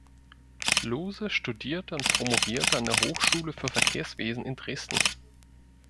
Lohse studierte und promovierte an der Hochschule für Verkehrswesen in Dresden.